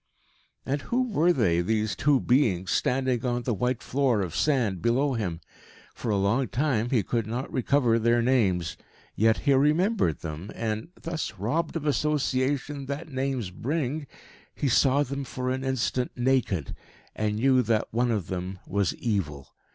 And who were they these two beings, standing on the white floor of sand below him? For a long time he could not recover their names. Yet he remembered them; and, thus robbed of association that names bring, he saw them for an instant naked, and knew that one of them was evil.